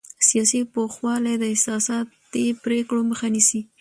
سیاسي پوخوالی د احساساتي پرېکړو مخه نیسي